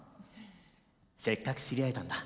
せっかく知り合えたんだ。